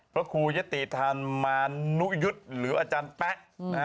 พระคูยติธรรมานุยุฏหรืออาจารย์แป๊ะ